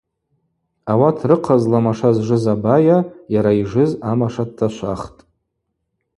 Ауат рыхъазла маша зжыз абайа, йара йжыз амаша дташвахтӏ.